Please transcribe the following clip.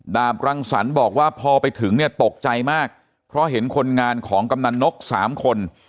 บรังสรรค์บอกว่าพอไปถึงเนี่ยตกใจมากเพราะเห็นคนงานของกำนันนกสามคน